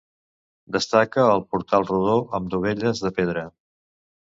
Destaca el portal rodó amb dovelles de pedra.